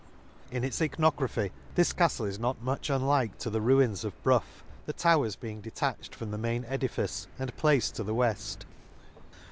In the Lakes. 37 In its Ichnography this caftle is not much unlike to the ruins of Brough ; the towers being detached from the main edi fice, and placed to the weft.